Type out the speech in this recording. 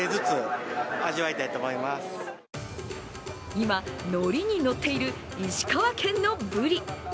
今、乗りに乗っている石川県のブリ。